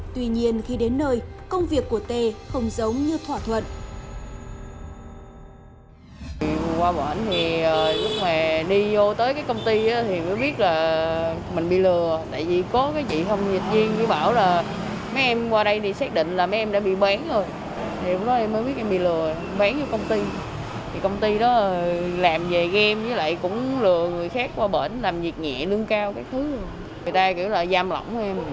tuy nhiên khi đến nơi công việc của tệ không giống như thỏa thuận